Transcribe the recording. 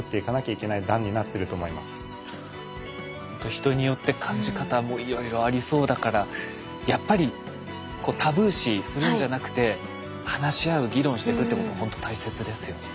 人によって感じ方もいろいろありそうだからやっぱりタブー視するんじゃなくて話し合う議論してくっていうことほんと大切ですよね。